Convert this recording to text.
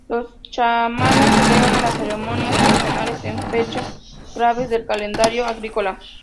Los chamanes celebran las ceremonias tradicionales, en fechas claves del calendario agrícola.